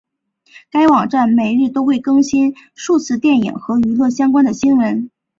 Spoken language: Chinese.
该网站每日都会更新数次电影和娱乐相关的新闻。